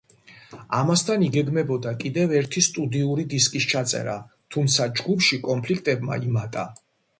ამასთან, იგეგმებოდა კიდევ ერთი სტუდიური დისკის ჩაწერა, თუმცა ჯგუფში კონფლიქტებმა იმატა.